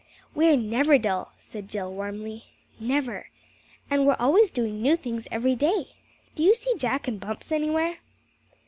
"We're never dull," said Jill warmly. "Never! And we're always doing new things every day. Do you see Jack and Bumps anywhere?"